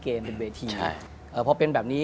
ที่ผ่านมาที่มันถูกบอกว่าเป็นกีฬาพื้นบ้านเนี่ย